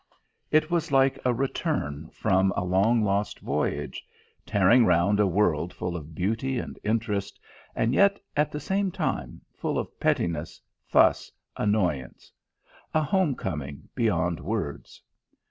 It was like a return from a long voyage, tearing round a world full of beauty and interest, and yet, at the same time, full of pettiness, fuss, annoyance: a home coming beyond words.